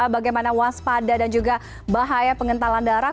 bagaimana waspada dan juga bahaya pengentalan darah